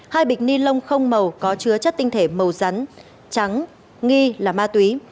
hai bịch ni lông không màu có chứa chất tinh thể màu rắn trắng nghi là ma túy